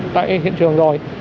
tại hiện trường rồi